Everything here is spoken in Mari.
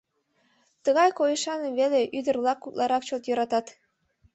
Тыгай койышаным веле ӱдыр-влак утларак чот йӧратат».